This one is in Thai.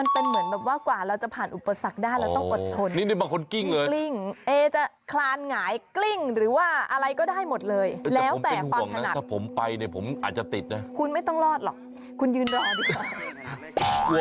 ผมไปเนี่ยผมอาจจะติดคุณไม่ต้องรอดหรอกคุณยืนรอดีกว่า